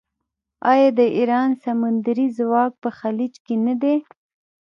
آیا د ایران سمندري ځواک په خلیج کې نه دی؟